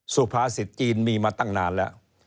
สุภาษิตจีนมีมาตั้งนานแล้ว